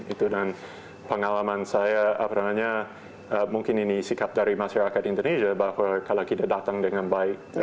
itu dan pengalaman saya apa namanya mungkin ini sikap dari masyarakat indonesia bahwa kalau tidak datang dengan baik